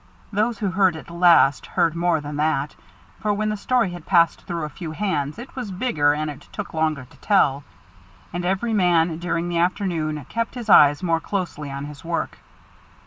Those who heard it last heard more than that, for when the story had passed through a few hands it was bigger and it took longer to tell. And every man, during the afternoon, kept his eyes more closely on his work.